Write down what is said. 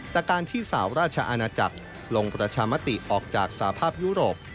แต่การที่สาวราชอาณาจักรลงประชามติออกจากสภาพยุโรป